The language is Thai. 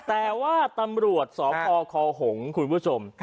แต่ว่าตำรวจสพคหงษ์คุณผู้ชม